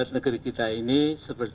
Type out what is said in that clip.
tapi kita harus tarik memori